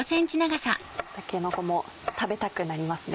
たけのこも食べたくなりますね。